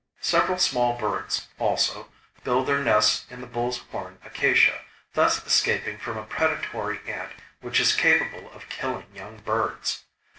Several small birds, also, build their nests in the bull's horn acacia, thus escaping from a predatory ant which is capable of killing young birds.